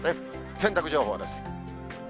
洗濯情報です。